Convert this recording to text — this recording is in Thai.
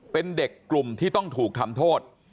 เป็นเด็กกลุ่มที่ต้องถูกทำโทษ